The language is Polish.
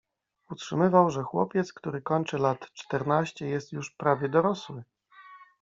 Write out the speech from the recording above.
Utrzymywał, że chłopiec, który kończy lat czternaście jest już prawie dorosły.